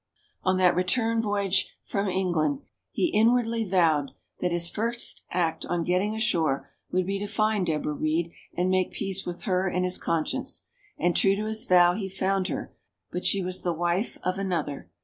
On that return voyage from England, he inwardly vowed that his first act on getting ashore would be to find Deborah Read and make peace with her and his conscience. And true to his vow, he found her, but she was the wife of another.